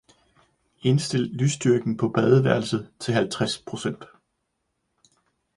Indstil lysstyrken på badeværelset til halvtreds procent